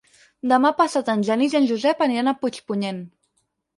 Demà passat en Genís i en Josep aniran a Puigpunyent.